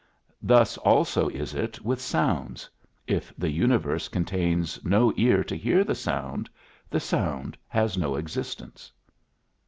Thus also is it with sounds. If the universe contains no ear to hear the sound, the sound has no existence."